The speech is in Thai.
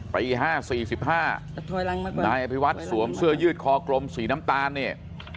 ปี๕๔๕นายอภิวัตรสวมเสื้อยืดคอกลมสีน้ำตาลเนี่ย